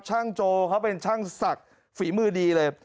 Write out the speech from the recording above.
โจเขาเป็นช่างศักดิ์ฝีมือดีเลย